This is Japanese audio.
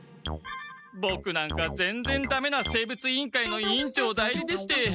ボクなんかぜんぜんダメな生物委員会の委員長代理でして。